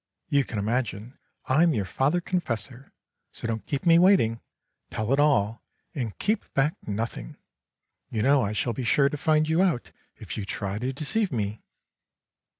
You can imagine I am your Father Confessor, so don't keep me waiting; tell it all, and keep back nothing; you know I shall be sure to find you out if you try to deceive me."